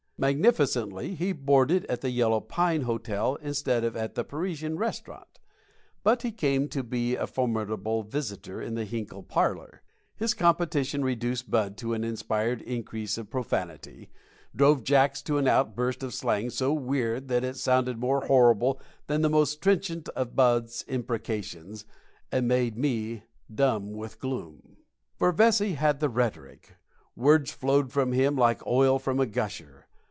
Magnificently, he boarded at the yellow pine hotel instead of at the Parisian Restaurant; but he came to be a formidable visitor in the Hinkle parlor. His competition reduced Bud to an inspired increase of profanity, drove Jacks to an outburst of slang so weird that it sounded more horrible than the most trenchant of Bud's imprecations, and made me dumb with gloom. For Vesey had the rhetoric. Words flowed from him like oil from a gusher.